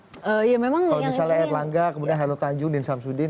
kalau misalnya erlangga kemudian hairul tanjung din samsudin